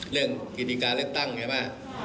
เรื่องกิตีการเลือกตั้งไอ้แม่